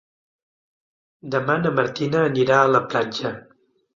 Demà na Martina anirà a la platja.